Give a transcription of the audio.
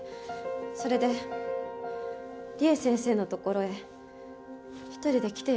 それでりえ先生のところへ一人で来ていました。